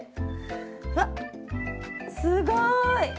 うわっすごい！